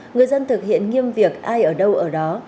người dân thực hiện nghiêm việc ai ở đâu ở đó